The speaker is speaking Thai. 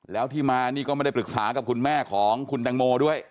และก็ไม่ได้ปรึกษากับมาพ่อคุณตังโมด้วย